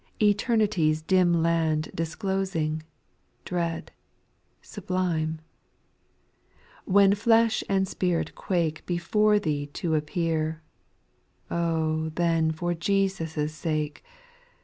Eternity's dim land Disclosing, dread, sublime : When flesh and spirit quake Before Thee to appear — Oh I then for Jesus' sake.